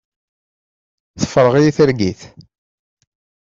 Tefreɣ-iyi targit.